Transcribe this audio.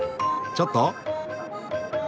ちょっと？